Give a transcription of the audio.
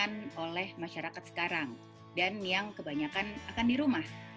yang oleh masyarakat sekarang dan yang kebanyakan akan di rumah